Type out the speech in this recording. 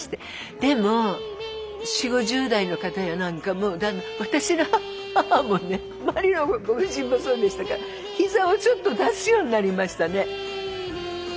でも４０５０代の方やなんかも私の母もね周りのご婦人もそうでしたから膝をちょっと出すようになりましたね。